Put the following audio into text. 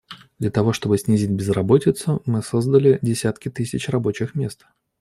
Для того чтобы снизить безработицу, мы создали десятки тысяч рабочих мест.